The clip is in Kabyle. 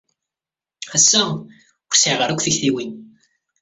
Ass-a, ur sɛiɣ ara akk tiktiwin.